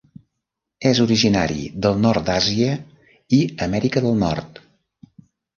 És originari del nord d'Àsia i Amèrica del Nord.